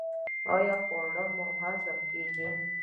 ایا خواړه مو هضمیږي؟